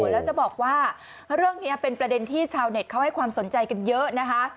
แล้วจะบอกว่าเรื่องนี้เป็นประเด็นที่ชาวเน็ตเขาให้ความสนใจกันเยอะนะคะ